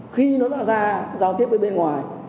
khi nó đã ra giao tiếp với bên ngoài